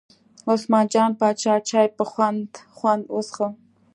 عثمان جان پاچا چای په خوند خوند وڅښه.